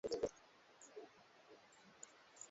alimtaka waziri mkuu beros koni kujiuzulu